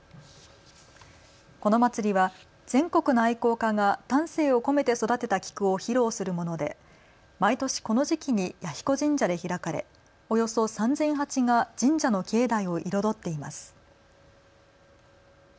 この祭りは全国の愛好家が丹精を込めて育てた菊を披露するもので毎年、この時期に彌彦神社で開かれおよそ３０００鉢が神社の境内を彩っています。